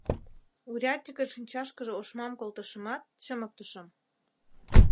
— Урядникын шинчашкыже ошмам колтышымат, чымыктышым.